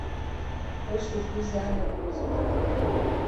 Ус угәы изаанагозеи?